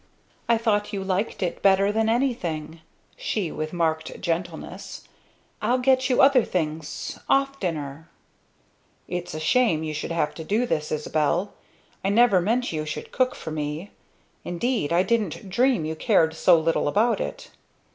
"I thought you liked it better than anything," she with marked gentleness. "I'll get you other things oftener." "It's a shame you should have this to do, Isabel. I never meant you should cook for me. Indeed I didn't dream you cared so little about it."